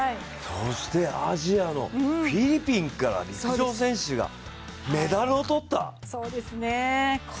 そしてアジアのフィリピンから陸上選手がメダルを取った？